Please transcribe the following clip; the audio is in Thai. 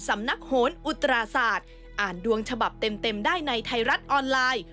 สำนักโหนอุตราศาสตร์อ่านดวงฉบับเต็มได้ในไทยรัฐออนไลน์